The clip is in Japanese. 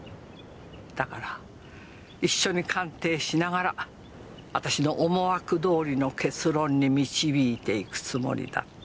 だから一緒に鑑定しながら私の思惑どおりの結論に導いていくつもりだった。